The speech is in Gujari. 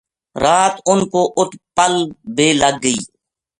رات اُنھ پو اُت پل بے لگ گئی